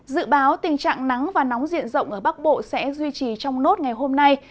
dự báo tình trạng nắng và nóng diện rộng ở bắc bộ sẽ duy trì trong nốt ngày hôm nay